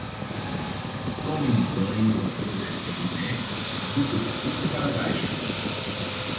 Tome um banho com folhas de guiné do pescoço para baixo